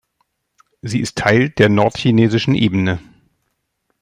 Sie ist Teil der Nordchinesischen Ebene.